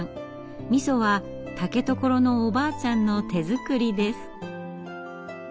みそは竹所のおばあちゃんの手作りです。